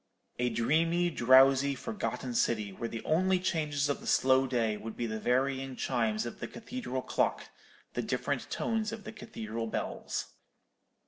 A dreamy, drowsy, forgotten city, where the only changes of the slow day would be the varying chimes of the cathedral clock, the different tones of the cathedral bells.